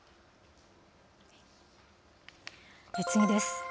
次です。